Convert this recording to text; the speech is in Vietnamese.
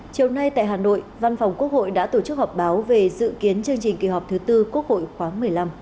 chiều nay tại hà nội văn phòng quốc hội đã tổ chức họp báo về dự kiến chương trình kỳ họp thứ tư quốc hội khoáng một mươi năm